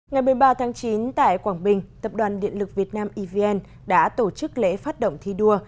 ngày một mươi ba tháng chín tại quảng bình tập đoàn điện lực việt nam evn đã tổ chức lễ phát động thi đua